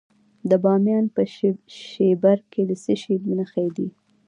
د بامیان په شیبر کې د څه شي نښې دي؟